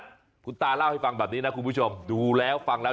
คุณตาเล่าให้ฟังแบบนี้นะคุณผู้ชมดูแล้วฟังแล้ว